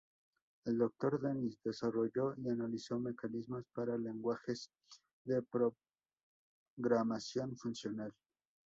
El Doctor Dennis desarrolló y analizó mecanismos para lenguajes de programación funcional.